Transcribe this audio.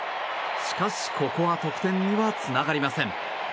しかし、ここは得点にはつながりません。